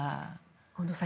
近藤さん